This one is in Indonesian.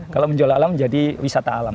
kalau menjual alam menjadi wisata alam